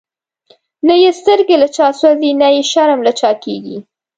نه یی سترگی له چا سوځی، نه یی شرم له چا کیږی